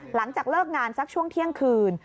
หลังจากเลิกงานสักช่วงเที่ยงคืน